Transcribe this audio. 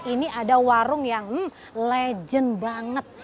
ini ada warung yang legend banget